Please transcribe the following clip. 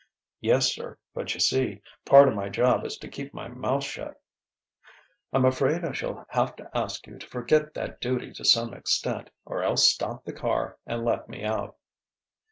"Yes, sir; but you see, part of my job is to keep my mouth shut." "I'm afraid I shall have to ask you to forget that duty to some extent, or else stop the car and let me out."